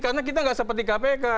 karena kita gak seperti kpk